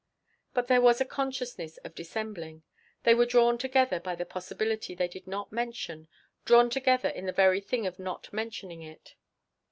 But there was a consciousness of dissembling. They were drawn together by the possibility they did not mention, drawn together in the very thing of not mentioning it.